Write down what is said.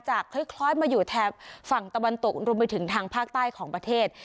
คล้ายมาอยู่แถบฝั่งตะวันตกรวมไปถึงทางภาคใต้ของประเทศ